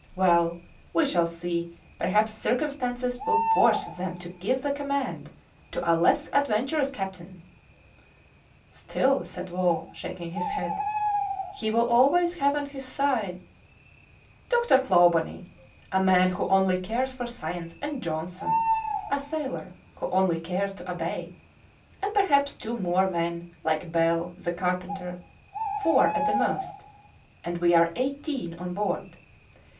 Well, we shall see; perhaps circumstances will force them to give the command to a less adventurous captain." "Still," said Wall, shaking his head, "he will always have on his side " "Dr. Clawbonny, a man who only cares for science, and Johnson, a sailor who only cares to obey, and perhaps two more men like Bell, the carpenter; four at the most, and we are eighteen on board!